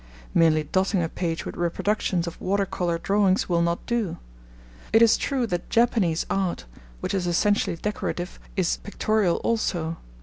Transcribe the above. Merely dotting a page with reproductions of water colour drawings will not do. It is true that Japanese art, which is essentially decorative, is pictorial also.